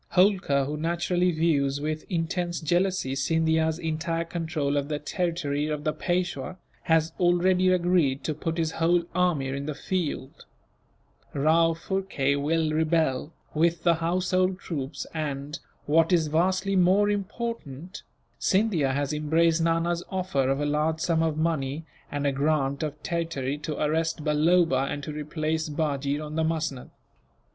Holkar, who naturally views with intense jealousy Scindia's entire control of the territory of the Peishwa, has already agreed to put his whole army in the field; Rao Phurkay will rebel, with the household troops and, what is vastly more important, Scindia has embraced Nana's offer of a large sum of money, and a grant of territory, to arrest Balloba, and to replace Bajee on the musnud.